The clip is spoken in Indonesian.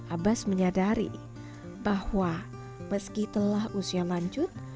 abbas menyadari bahwa meski telah usia lanjut